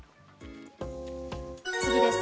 次です。